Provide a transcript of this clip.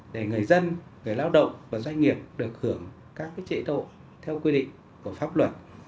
để người dân người lao động và doanh nghiệp được hưởng các chế độ theo quy định của pháp luật